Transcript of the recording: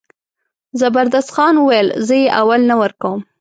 زبردست خان وویل زه یې اول نه ورکوم.